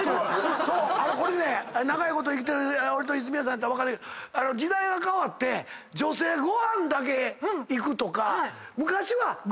これね長いこと生きてる俺と泉谷さんやったら分かるけど時代が変わって女性ご飯だけ行くとか。